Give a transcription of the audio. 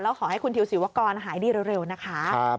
ขอให้คุณทิวศิวกรหายดีเร็วนะคะ